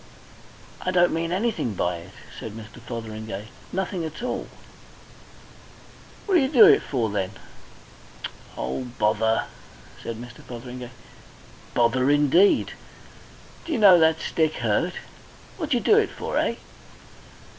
"I don't mean anything by it," said Mr. Fotheringay. "Nothing at all." "What d'yer do it for then?" "Oh, bother!" said Mr. Fotheringay. "Bother indeed! D'yer know that stick hurt? What d'yer do it for, eh?"